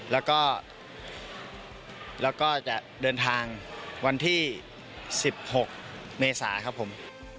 แล้วก็แล้วก็จะเดินทางวันที่สิบหกเมษาครับผม